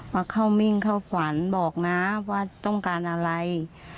มาเข้ามิ่งเข้าขวัญบอกนะว่าต้องการอะไร